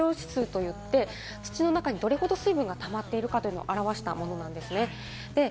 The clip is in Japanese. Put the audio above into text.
土壌雨量指数といって土の中にどれほど水分がたまっているかと表したものなんですね。